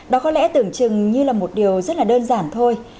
đó có lẽ tưởng chừng như là một điều rất là đơn giản thôi